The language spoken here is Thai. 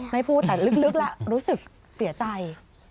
ไม่พูดแต่ลึกแล้วรู้สึกเสียใจ